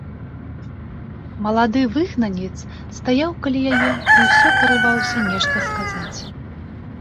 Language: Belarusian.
Малады выгнанец стаяў каля яе і ўсё парываўся нешта сказаць.